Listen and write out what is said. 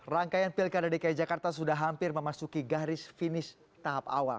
rangkaian pilkada dki jakarta sudah hampir memasuki garis finish tahap awal